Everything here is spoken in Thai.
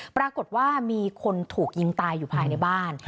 ปรากฏว่ามีคนถูกยิงตายอยู่ภายในบ้าน